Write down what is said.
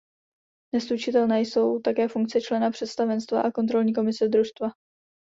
Neslučitelné jsou také funkce člena představenstva a kontrolní komise družstva.